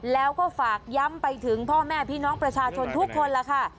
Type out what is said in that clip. แล้วก็ฝากย้ำไปถึงพ่อแม่พี่น้องประชาชนทุกคนล่ะค่ะ